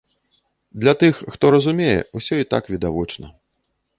Для тых, хто разумее, усё і так відавочна.